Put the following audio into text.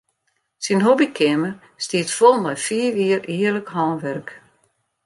Syn hobbykeamer stiet fol mei fiif jier earlik hânwurk.